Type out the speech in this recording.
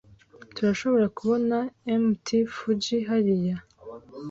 Turashobora kubona Mt. Fuji hariya.